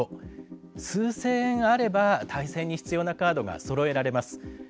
数千円あれば、対戦に必要なカードがそろえられます。